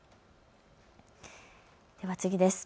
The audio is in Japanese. では次です。